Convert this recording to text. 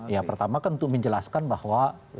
ya pertama kan untuk menjelaskan bahwa